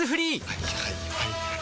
はいはいはいはい。